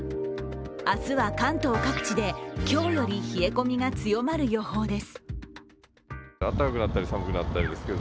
明日は関東各地で今日より冷え込みが強まる予報です。